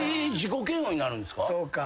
そうか。